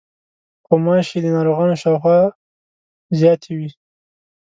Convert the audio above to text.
غوماشې د ناروغانو شاوخوا زیاتې وي.